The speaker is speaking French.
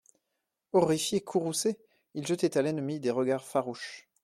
Horrifiés, courroucés, ils jetaient à l'ennemi des regards farouches.